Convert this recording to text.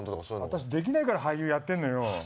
私できないから俳優やってんのよ！